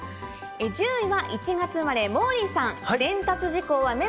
１０位は１月生まれ、モーリーさん。